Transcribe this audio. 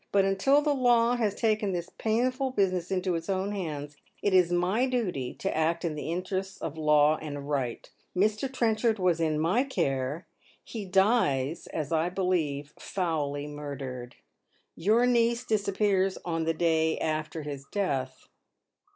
But until the law has taken this painful business into its own hands, it is my duty to act in the interests of law and right. Mr. Trenchard was in my care. He dies, as I believe, foully murdered. Your niece disappears on the day after his death."